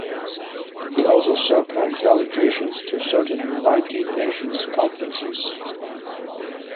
He also served on delegations to certain United Nations conferences.